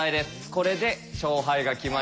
これで勝敗が決まります。